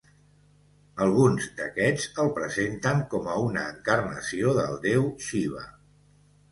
Alguns d'aquests el presenten com a una encarnació del déu Xiva.